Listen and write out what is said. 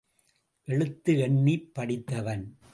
எழுத்து எண்ணிப் படித்தவன்.